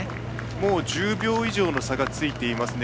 もう１０秒以上の差がついていますね。